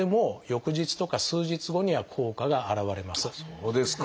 そうですか。